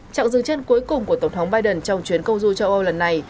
trạng dừng chân cuối cùng của tổng thống biden trong chuyến công du châu âu lần này